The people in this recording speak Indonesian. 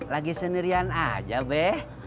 lagi sendirian aja be